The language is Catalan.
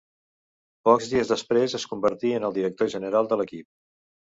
Pocs dies després es convertí en el director general de l'equip.